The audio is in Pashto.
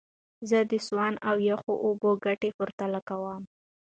زه د سونا او یخو اوبو ګټې پرتله کوم.